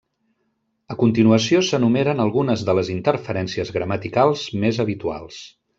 A continuació s'enumeren algunes de les interferències gramaticals més habituals.